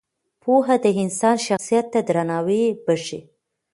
پوهه د انسان شخصیت ته درناوی بښي.